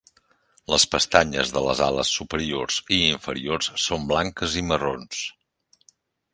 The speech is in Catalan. Les pestanyes de les ales superiors i inferiors són blanques i marrons.